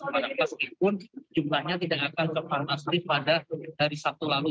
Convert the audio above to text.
meskipun jumlahnya tidak akan keparmasri pada hari sabtu lalu